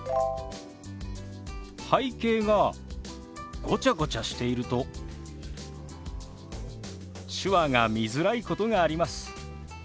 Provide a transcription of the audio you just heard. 背景がごちゃごちゃしていると手話が見づらいことがあります。